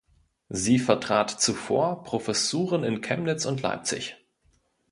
Sie vertrat zuvor Professuren in Chemnitz und Leipzig.